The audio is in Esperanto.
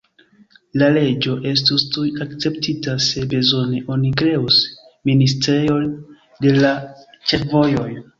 La leĝo estus tuj akceptita: se bezone, oni kreus ministrejon de la ĉefvojoj.